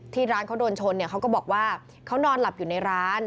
ร้านเขาโดนชนเนี่ยเขาก็บอกว่าเขานอนหลับอยู่ในร้าน